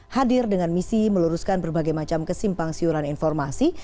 hadir dengan misi meluruskan berbagai macam kesimpang siuran informasi